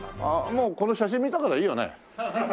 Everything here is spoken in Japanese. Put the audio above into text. もうこの写真見たからいいよね？